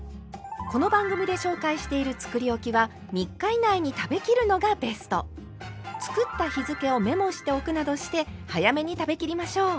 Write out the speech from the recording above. この番組で紹介しているつくりおきは３日以内に食べきるのがベスト。などして早めに食べきりましょう。